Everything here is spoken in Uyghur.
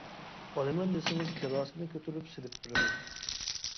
ئالىمەن دېسىڭىز كىراسىنى كۆتۈرۈپ سېلىپ بېرىمەن.